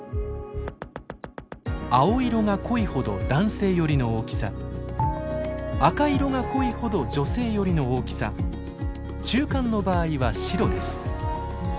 青色が濃いほど男性寄りの大きさ赤色が濃いほど女性寄りの大きさ中間の場合は白です。